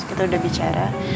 kita udah bicara